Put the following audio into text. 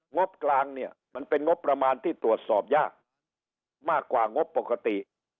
บกลางเนี่ยมันเป็นงบประมาณที่ตรวจสอบยากมากกว่างบปกติ